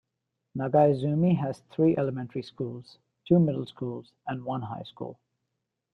Nagaizumi has three elementary schools, two middle schools and one high school.